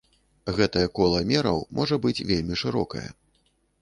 Гэтае кола мераў можа быць вельмі шырокае.